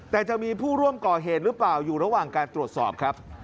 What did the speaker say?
แต่จะมีผู้ร่วมก่อเหตุหรือเปล่าอยู่ระหว่างการตรวจสอบครับ